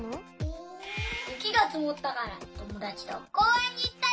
ゆきがつもったからともだちとこうえんにいったよ。